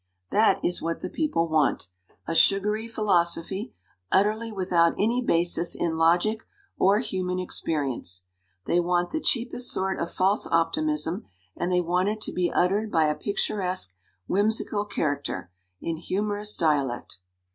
" That is what the people want a sugary philosophy, utterly without any basis in logic or human experience. They want the cheapest sort of false optimism, and they want it to be uttered by a picturesque, whimsical character, in humorous dialect.